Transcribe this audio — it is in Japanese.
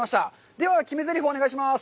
では決めぜりふをお願いします。